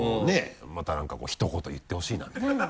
また何かこう「ひと言言ってほしいな」みたいな。